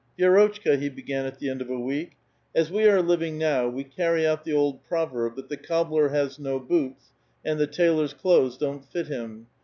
*>' Vi^rotchka," he began at the end of a week, "as we re living now, we carry out the old proverb that the cob has no boots, and the tailor's clothes don't fit him.